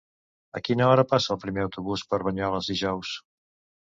A quina hora passa el primer autobús per Banyoles dijous?